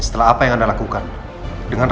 baiklah jadi kita dulu disini